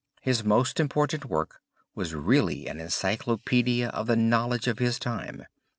His most important work was really an encyclopedia of the knowledge of his time.